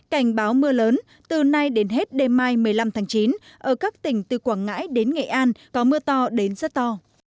cảnh báo mưa lớn từ nay đến hết đêm mai một mươi năm tháng chín ở các tỉnh từ quảng ngãi đến nghệ an có mưa to đến rất to